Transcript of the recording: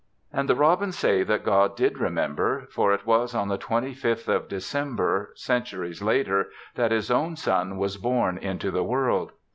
And the robins say that God did remember, for it was on the twenty fifth of December, centuries later, that his own son was born into the world.